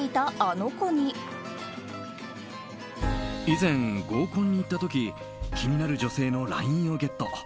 以前、合コンに行った時気になる女性のＬＩＮＥをゲット。